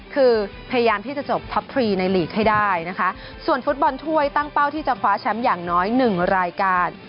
คือพยายามที่จะจบท็อปทรีในลีกให้ได้นะคะส่วนฟุตบอลถ้วยตั้งเป้าที่จะคว้าแชมป์อย่างน้อยหนึ่งรายการ